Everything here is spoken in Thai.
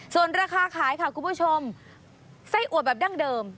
ส่วนราคาขายค่ะคุณผู้ชมไส้อวดแบบดั้งเดิม